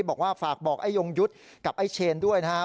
บอกว่าฝากบอกไอ้ยงยุทธ์กับไอ้เชนด้วยนะครับ